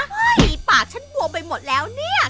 ฝีปากฉันบวมไปหมดแล้วเนี่ย